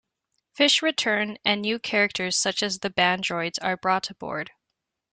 Fish return, and new characters, such as the Bandroids are brought aboard.